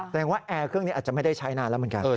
แสดงว่าแอร์เครื่องนี้อาจจะไม่ได้ใช้นานแล้วเหมือนกัน